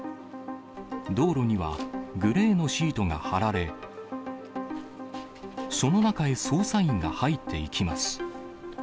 道路にはグレーのシートが張られ、その中へ捜査員が入っていきます。